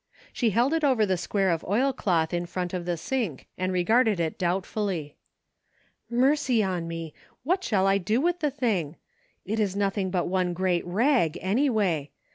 She held it over the square of oilcloth in front of the sink, and regarded it doubtfully. " Mercy on me ! What shall I do with the thing ."* It is nothing but one great rag, anyway.